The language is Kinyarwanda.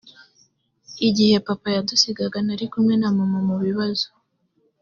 igihe papa yadusigaga nari kumwe na mama mubibazo.